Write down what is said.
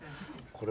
これ。